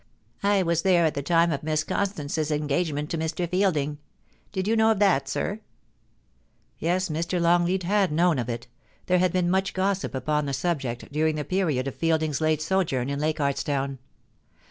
I was there at the time of Miss Con stance's engagement to Mr. Fielding. Did you know ot that, sir ?' Yes, Mr. Longleat had known of it. There had been much gossip upon the subject during the period of Fielding's THE ORDEAL. 393 late sojourn in Leichardt's Town.